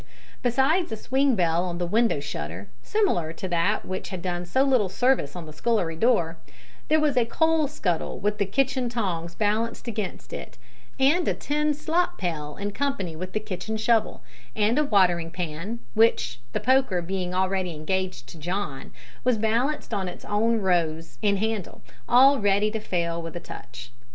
Besides a swing bell on the window shutter similar to that which had done so little service on the scullery door there was a coal scuttle with the kitchen tongs balanced against it and a tin slop pail in company with the kitchen shovel, and a watering pan, which the poker being already engaged to John was balanced on its own rose and handle, all ready to fail with a touch.